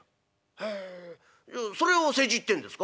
「へえそれを世辞っていうんですか？」。